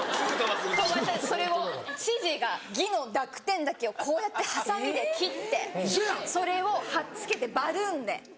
飛ばしたんですそれを知事が「ぎ」の濁点だけをこうやってハサミで切ってそれを貼っ付けてバルーンで。